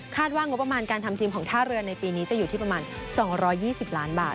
ว่างบประมาณการทำทีมของท่าเรือในปีนี้จะอยู่ที่ประมาณ๒๒๐ล้านบาท